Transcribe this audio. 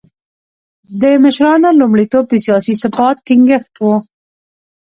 د مشرانو لومړیتوب د سیاسي ثبات ټینګښت و.